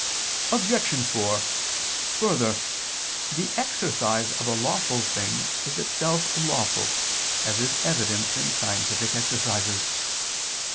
Obj. 4: Further, the exercise of a lawful thing is itself lawful, as is evident in scientific exercises.